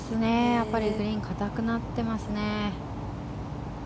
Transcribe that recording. やっぱりグリーン、硬くなってますね。